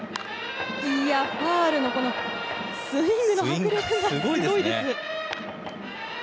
ファウルのスイングの迫力がすごいです。